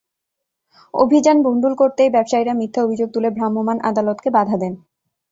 অভিযান ভন্ডুল করতেই ব্যবসায়ীরা মিথ্যা অভিযোগ তুলে ভ্রাম্যমাণ আদালতকে বাধা দেন।